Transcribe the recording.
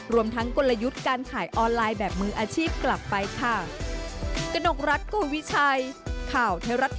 รวมทั้งกลยุทธ์การขายออนไลน์แบบมืออาชีพกลับไปค่ะ